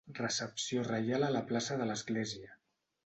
Recepció reial a la plaça de l'església.